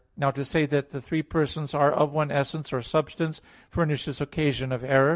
Now, to say that the three persons are of one essence or substance, furnishes occasion of error.